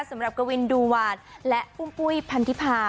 สำหรับกวินดูหวานและปุ้มปุ้ยพันธิพา